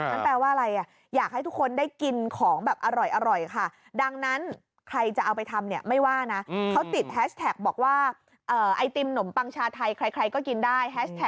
นั่นแปลว่าอะไรอะอยากให้ทุกคนได้กินของแบบอร่อยค่ะดังนั้นใครจะเอาไปทำเนี่ยไม่ว่านะ